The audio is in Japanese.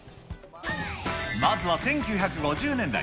まずは１９５０年代。